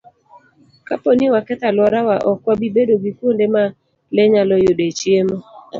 Kapo ni waketho alworawa, ok wabi bedo gi kuonde ma le nyalo yudoe chiemo.